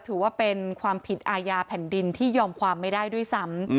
ถือว่าเป็นความผิดอาญาแผ่นดินที่ยอมความไม่ได้ด้วยซ้ำ